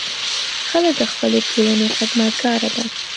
ښځه د خپلې ټولنې خدمتګاره ده.